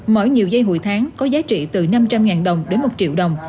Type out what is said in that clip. mỗi nhiều giây hội tháng có giá trị từ năm trăm linh đồng đến một triệu đồng